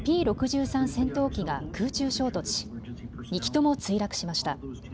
戦闘機が空中衝突し、２機とも墜落しました。